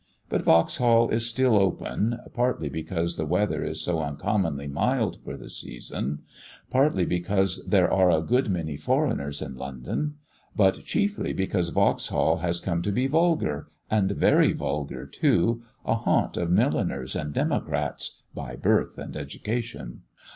But Vauxhall is still open, partly because the weather is so uncommonly mild for the season; partly because there are a good many foreigners in London; but chiefly because Vauxhall has come to be vulgar and very vulgar too a haunt of milliners and democrats, "by birth and education."